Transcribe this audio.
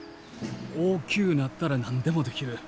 大きゅうなったら何でもできる。